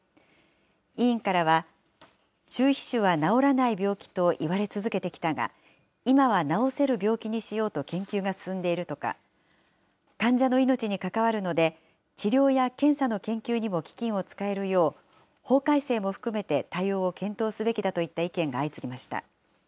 委員からは中皮腫は治らない病気と言われ続けてきたが、今は治せる病気にしようと研究が進んでいるとか、患者の命に関わるので、治療や検査の研究にも基金を使えるよう、法改正も含めて対応を検討すべきだといった意見が相次ぎました。